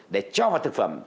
để cho vào thực phẩm